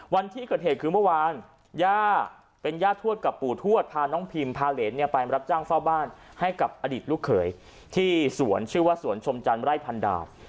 วันที่เกิดเหตุคือเมื่อวานย่าเป็นย่าทวดกับปู่ทวดพาน้องพิมพาเหรนเนี่ยไปรับจ้างเฝ้าบ้านให้กับอดีตลูกเขยที่สวนชื่อว่าสวนชมจันทร์ไร่พันดาว